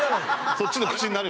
そっちの口になるよね。